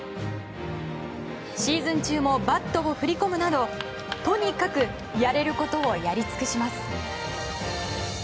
シーズン中もバットを振り込むなどとにかくやれることをやり尽くします。